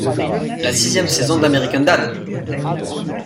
La sixième saison dAmerican Dad!